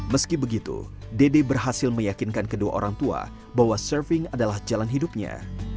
meski begitu dede berhasil meyakinkan kedua orang tua bahwa surfing adalah jalan hidupnya